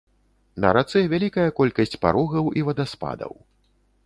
На рацэ вялікая колькасць парогаў і вадаспадаў.